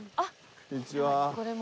こんにちは。